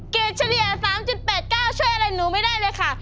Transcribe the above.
เฉลี่ย๓๘๙ช่วยอะไรหนูไม่ได้เลยค่ะ